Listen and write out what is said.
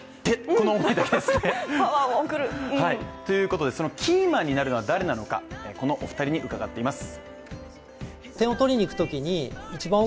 この思いだけですね。ということで、キーマンになるのは誰なのか、このお二人に伺っています。